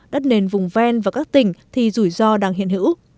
đất nền vùng ven và các tỉnh thì rủi ro đang hiện hữu